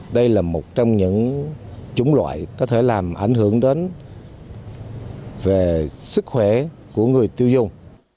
đây là một trong những chúng loại có thể làm ảnh hưởng đến sức khỏe của người tiêu dung